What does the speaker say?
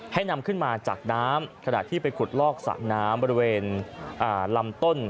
นำขึ้นมาจากน้ำขณะที่ไปขุดลอกสระน้ำบริเวณลำต้น